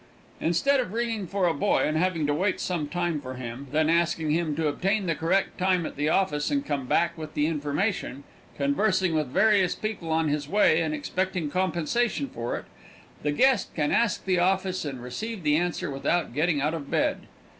Instead of ringing for a boy and having to wait some time for him, then asking him to obtain the correct time at the office and come back with the information, conversing with various people on his way and expecting compensation for it, the guest can ask the office and receive the answer without getting out of bed.